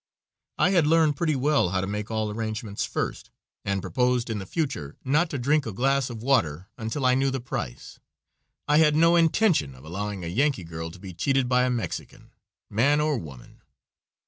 I had learned pretty well how to make all arrangements first, and proposed in the future not to drink a glass of water until I knew the price. I had no intention of allowing a Yankee girl to be cheated by a Mexican, man or woman.